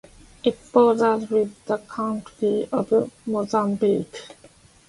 It borders with the country of Mozambique.